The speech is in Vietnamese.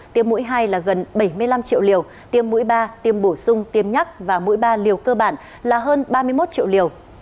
tiêm mũi hai là gần bảy mươi năm triệu liều tiêm mũi ba tiêm bổ sung tiêm nhắc và mũi ba liều cơ bản là hơn ba mươi một triệu liều